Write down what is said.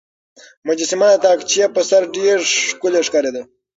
مجسمه د تاقچې په سر ډېره ښکلې ښکارېده.